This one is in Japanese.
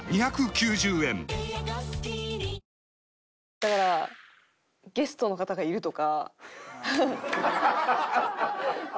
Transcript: だからゲストの方がいるとか。